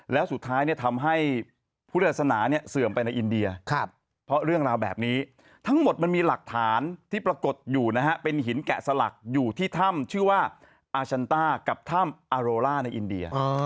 และสุดท้ายจะทำให้